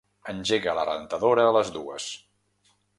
Engega la rentadora a les dues.